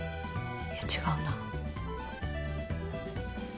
いや違うな。